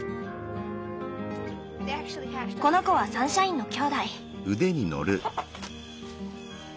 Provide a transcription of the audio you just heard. この子はサンシャインのきょうだい。